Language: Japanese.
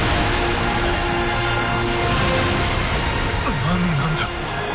何なんだ